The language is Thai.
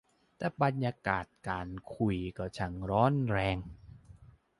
แต่บรรยากาศการคุยก็ช่างร้อนแรง